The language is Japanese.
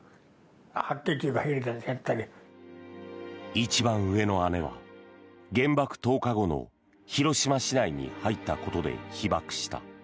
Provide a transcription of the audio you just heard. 一番上の姉は原爆投下後の広島市内に入ったことで被爆した。